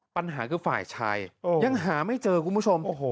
ปัญหาคือฝ่ายชายยังหาไม่เจอคุณผู้ชม